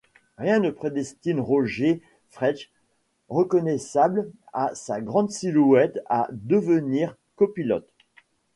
Rien ne prédestine Rodger Freeth, reconnaissable à sa grande silhouette, à devenir copilote.